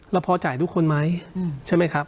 เราพอจ่ายทุกคนไหมใช่ไหมครับ